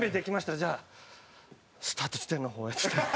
じゃあスタート地点の方へ」っつって。